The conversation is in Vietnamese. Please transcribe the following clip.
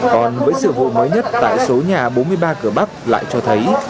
còn với sự hội mới nhất tại số nhà bốn mươi ba cửa bắc lại cho thấy